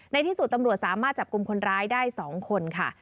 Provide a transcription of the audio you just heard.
ในที่สุดตำรวจสามารถจับกลุ่มคนร้ายได้๒คนค่ะ